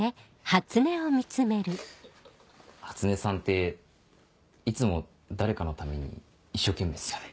初音さんていつも誰かのために一生懸命っすよね。